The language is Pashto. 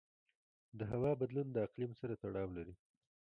د هوا بدلون د اقلیم سره تړاو لري.